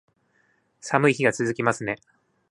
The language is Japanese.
寒い日が続きますね